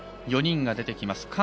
４人が出てきます。